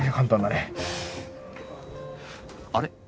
あれ？